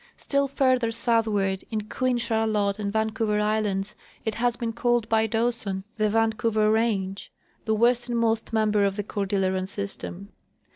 Still further southward, in Queen Charlotte and Vancouver islands, it has been called by Dawson the Vancouver range, the western most member of the Cordilleran system.